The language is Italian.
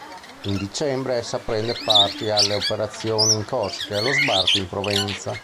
In dicembre, essa prende parte alle operazioni in Corsica e allo sbarco in Provenza.